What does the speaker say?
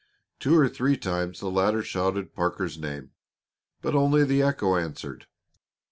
Two or three times the latter shouted Parker's name, but only the echo answered.